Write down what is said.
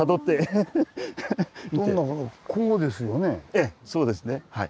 ええそうですね。